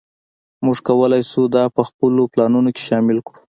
موږ کولی شو دا په خپلو پلانونو کې شامل کړو